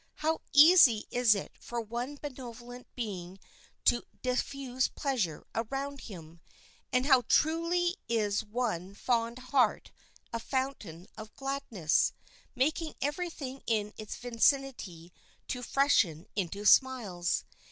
How easy it is for one benevolent being to diffuse pleasure around him, and how truly is one fond heart a fountain of gladness, making every thing in its vicinity to freshen into smiles.